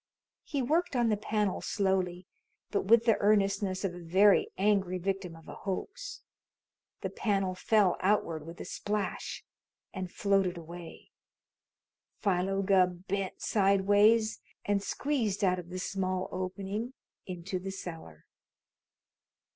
He worked on the panel slowly, but with the earnestness of a very angry victim of a hoax. The panel fell outward with a splash, and floated away. Philo Gubb bent sideways and squeezed out of the small opening into the cellar.